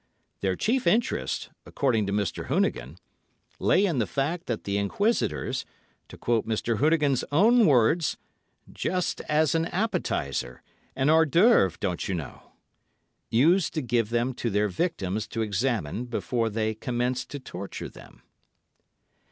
Their chief interest, according to Mr. Hoonigan, lay in the fact that the inquisitors—to quote Mr. Hoonigan's own words—'just as an appetiser—an hors d'œuvre, don't you know,' used to give them to their victims to examine before they commenced to torture them.